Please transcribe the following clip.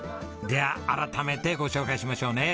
では改めてご紹介しましょうね。